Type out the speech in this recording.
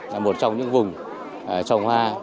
là một trong những vùng trồng hoa